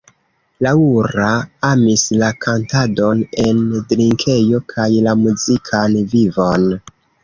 Laura amis la kantadon en drinkejo kaj la muzikan vivon.